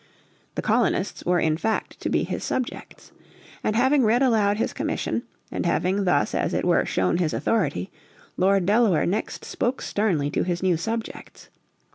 The colonists were in fact to be his subjects. And having read aloud his commission, and having thus as it were shown his authority, Lord Delaware next spoke sternly to his new subjects.